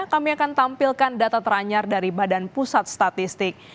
kami akan tampilkan data teranyar dari badan pusat statistik